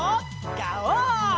ガオー！